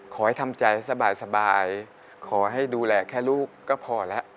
ขอให้ทำใจสบายขอให้ดูแลแค่ลูกก็พอแล้ว